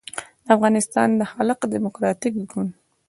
د افغانستان د خلق دیموکراتیک ګوند